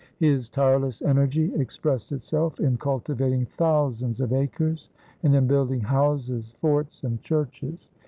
His tireless energy expressed itself in cultivating thousands of acres and in building houses, forts, and churches.